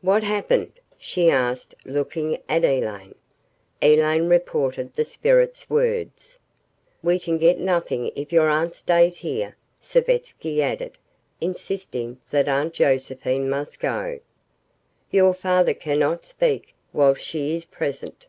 "What happened?" she asked, looking at Elaine. Elaine reported the spirit's words. "We can get nothing if your Aunt stays here," Savetsky added, insisting that Aunt Josephine must go. "Your father cannot speak while she is present."